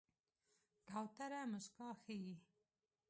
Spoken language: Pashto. کوتره موسکا ښيي.